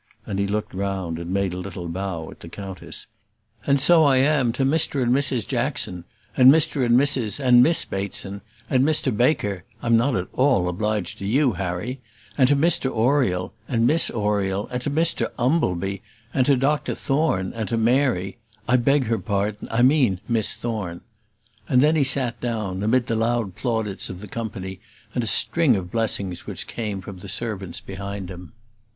And he looked round and made a little bow at the countess. "And so I am to Mr and Mrs Jackson, and Mr and Mrs and Miss Bateson, and Mr Baker I'm not at all obliged to you, Harry and to Mr Oriel and Miss Oriel, and to Mr Umbleby, and to Dr Thorne, and to Mary I beg her pardon, I mean Miss Thorne." And then he sat down, amid the loud plaudits of the company, and a string of blessings which came from the servants behind him.